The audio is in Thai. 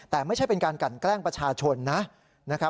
แต่ไม่ใช่เป็นการกันแกล้งประชาชนนะครับ